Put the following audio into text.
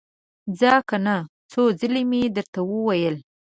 ځه کنه! څو ځلې مې درته وويل!